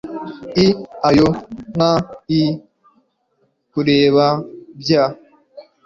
i oya nka i kureba bya